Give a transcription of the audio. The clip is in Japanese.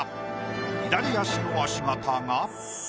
左足の足形が。